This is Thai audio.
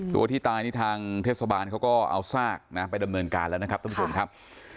ตัวที่ตายนี่ทางเทศบาลเขาก็เอาซากนะไปดำเนินการแล้วนะครับท่านผู้ชมครับ